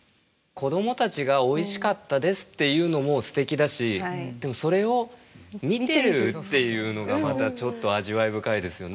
子どもたちがおいしかったですっていうのもすてきだしそれを見てるっていうのがまたちょっと味わい深いですよね。